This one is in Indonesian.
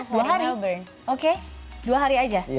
dua hari oke dua hari aja